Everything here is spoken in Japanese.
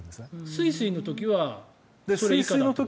スイスイの時はそれ以下だと？